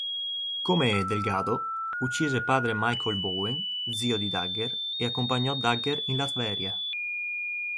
Come Delgado, uccise padre Michael Bowen, zio di Dagger, e accompagnò Dagger in Latveria.